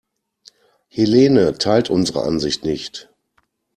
Helene teilt unsere Ansicht nicht.